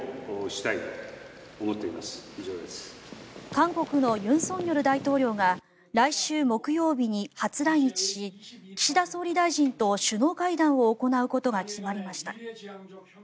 韓国の尹錫悦大統領が来週木曜日に初来日し岸田総理大臣と首脳会談を行うことが決まりました。